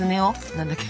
何だっけ。